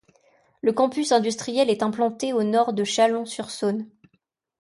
Le campus industriel est implanté au nord de Chalon-sur-Saône.